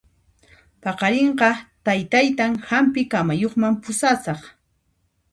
Paqarinqa taytaytan hampi kamayuqman pusasaq